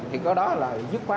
thì có đó là dứt khoát